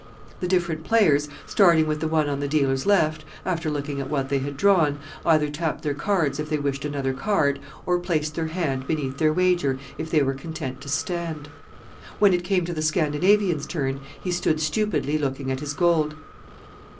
The different players, starting with the one on the dealer's left, after looking at what they had drawn, either tapped their cards if they wished another card or placed their hand beneath their wager if they were content to "stand." When it came to the Scandinavian's turn he stood stupidly looking at his gold.